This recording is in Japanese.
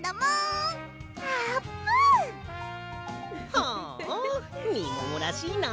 はあみももらしいな。